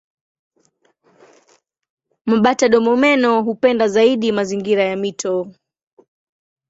Mabata-domomeno hupenda zaidi mazingira ya mito.